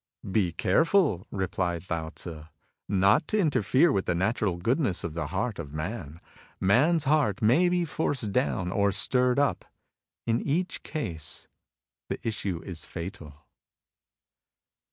" Be careful," replied Lao Tzu, " not to inter fere with the natural goodness of the heart of man, Man's heart may be forced down or stirred up. In each case the issue is fatal."